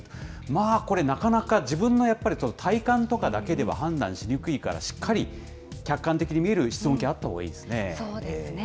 まあ、これ、なかなか自分のやっぱり、体感とかだけでは判断しにくいから、しっかり客観的に見る室温計、あったほうがいいですね。